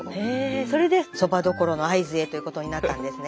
それでそばどころの会津へということになったんですね。